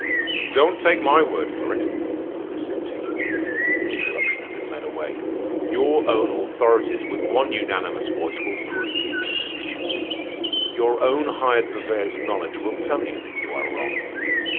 "Don't take my word for it," Ernest continued, when the interruption had been led away. "Your own authorities with one unanimous voice will prove you stupid. Your own hired purveyors of knowledge will tell you that you are wrong.